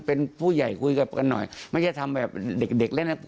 เป็นผู้ใหญ่คุยกับกันหน่อยไม่ใช่ทำแบบเด็กเด็กเล่นนะ